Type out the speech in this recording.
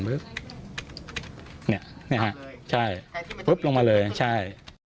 เนี่ยนี่ฮะใช่ปุ๊บลงมาเลยใช่